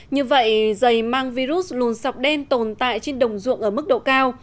như vậy dày mang virus lùn sọc đen tồn tại trên đồng ruộng ở mức độ cao